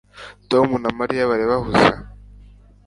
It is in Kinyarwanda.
tom na mariya bari bahuze